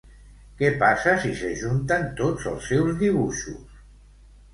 Què passa si s'ajunten tots els seus dibuixos?